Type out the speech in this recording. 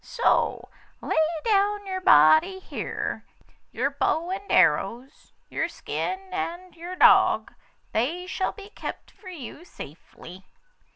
So, lay down your body here; your bow and arrows, your skin and your dog. They shall be kept for you safely.